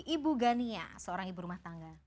ibu gania seorang ibu rumah tangga